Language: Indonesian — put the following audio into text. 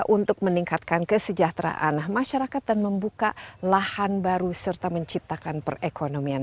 untuk meningkatkan kesejahteraan masyarakat dan membuka lahan baru serta menciptakan perekonomian